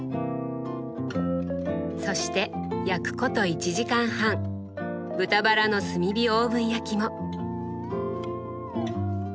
そして焼くこと１時間半豚バラの炭火オーブン焼きも。